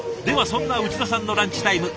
そんな内田さんのランチタイム！